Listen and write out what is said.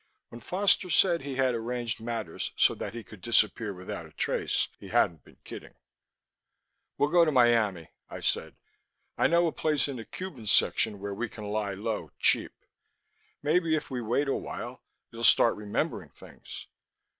When Foster said he had arranged matters so that he could disappear without a trace, he hadn't been kidding. "We'll go to Miami," I said. "I know a place in the Cuban section where we can lie low, cheap. Maybe if we wait a while, you'll start remembering things."